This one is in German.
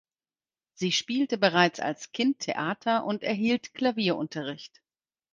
Sie spielte bereits als Kind Theater und erhielt Klavierunterricht.